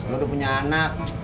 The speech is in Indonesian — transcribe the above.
lo udah punya anak